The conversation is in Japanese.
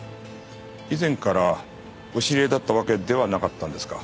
以前からお知り合いだったわけではなかったんですか？